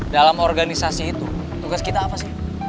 dalam organisasi itu tugas kita apa sih